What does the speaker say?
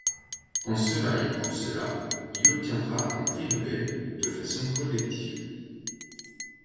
En cela et pour cela, il obtiendra un prix nobel - de façon collective.